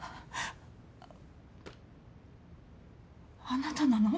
あなたなの？